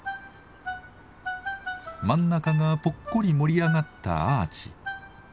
真ん中がぽっこり盛り上がったアーチ。